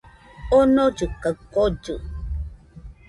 Omollɨ kaɨ kollɨ